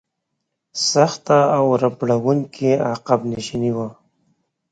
سخته او ربړونکې عقب نشیني وه.